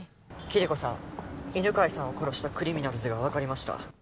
キリコさん犬飼さんを殺したクリミナルズが分かりました